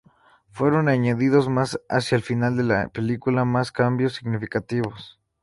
Fueron añadidos más hacia el final de la película más cambios significativos.